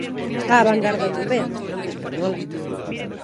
Á vangarda europea, española.